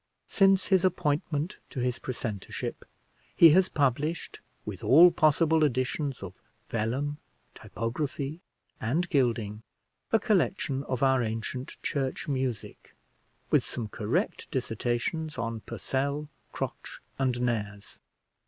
Since his appointment to his precentorship, he has published, with all possible additions of vellum, typography, and gilding, a collection of our ancient church music, with some correct dissertations on Purcell, Crotch, and Nares.